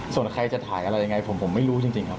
ส่วนใครจะถ่ายอะไรยังไงผมไม่รู้จริงครับ